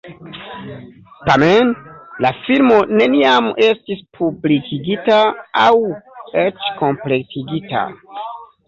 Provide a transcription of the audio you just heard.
Tamen, la filmo neniam estis publikigita aŭ eĉ kompletigita.